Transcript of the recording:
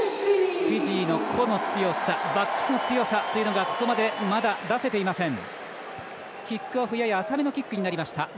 フィジーの個の強さバックスの強さというのがここまで、まだ出せていません。